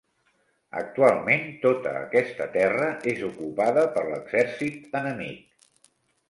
Actualment tota aquesta terra és ocupada per l'exèrcit enemic.